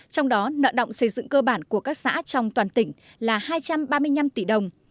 trong đó nợ động xây dựng cơ bản của các xã trong toàn tỉnh là hai trăm ba mươi năm tỷ đồng